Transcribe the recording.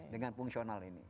dengan fungsional ini